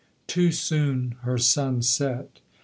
Too soon her sun set.